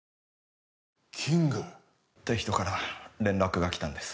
キング？っていう人から連絡が来たんです。